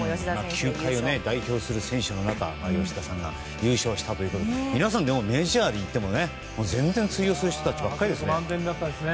球界を代表する選手の中吉田さんが優勝したということで皆さん、メジャーにいっても全然、通用する人たちばっかりですね。